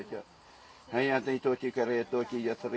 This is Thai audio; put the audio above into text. จากฝั่งภูมิธรรมฝั่งภูมิธรรม